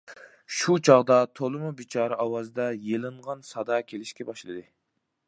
شۇ چاغدا تولىمۇ بىچارە ئاۋازدا يېلىنغان سادا كېلىشكە باشلىدى.